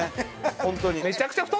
本当に。